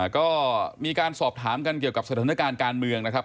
ก็มีการสอบถามกันเกี่ยวกับสถานการณ์การเมืองนะครับ